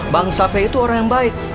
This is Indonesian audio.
bang safi itu orang yang baik